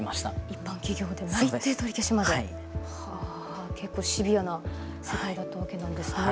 一般企業で内定取り消しまで、シビアな世界だったわけなんですね。